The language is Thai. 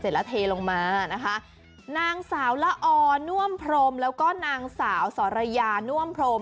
เสร็จแล้วเทลงมานะคะนางสาวละอนวมพรมแล้วก็นางสาวสรยานวมพรม